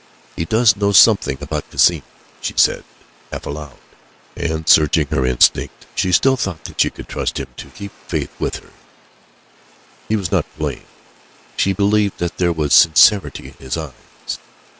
"He does know something about Cassim," she said, half aloud, and searching her instinct, she still thought that she could trust him to keep faith with her. He was not playing. She believed that there was sincerity in his eyes.